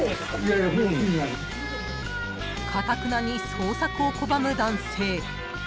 ［かたくなに捜索を拒む男性］